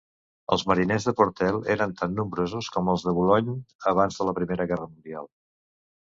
Els mariners de Portel eren tan nombrosos com els de Boulogne abans de la Primera Guerra Mundial.